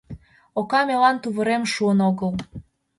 Ока мелан тувырем шуын огыл.